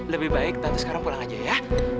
lebih baik nanti sekarang pulang aja ya